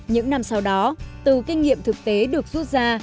những năm sau đó từ kinh nghiệm thực tế được rút ra